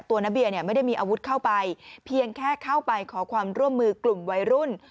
น้าเบียเนี่ยไม่ได้มีอาวุธเข้าไปเพียงแค่เข้าไปขอความร่วมมือกลุ่มวัยรุ่น